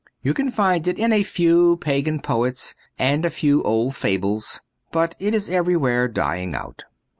You can find it in a few pagan poets and a few old fables ; but it is everywhere dying out.